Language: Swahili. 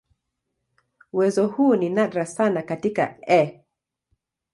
Uwezo huu ni nadra sana katika "E.